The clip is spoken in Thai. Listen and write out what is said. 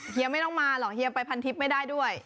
ไม่ต้องมาหรอกเฮียไปพันทิพย์ไม่ได้ด้วย